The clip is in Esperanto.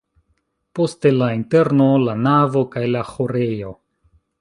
Poste la interno, la navo kaj la ĥorejo.